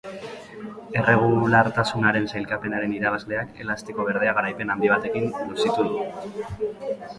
Erregulartasunaren sailkapenaren irabazleak elastiko berdea garaipen handi batekin luzitu du.